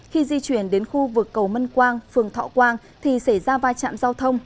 khi di chuyển đến khu vực cầu mân quang phường thọ quang thì xảy ra vai trạm giao thông